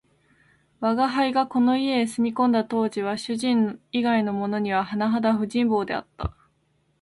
吾輩がこの家へ住み込んだ当時は、主人以外のものにははなはだ不人望であった